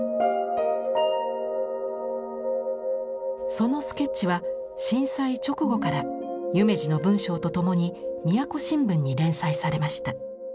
そのスケッチは震災直後から夢二の文章とともに都新聞に連載されました。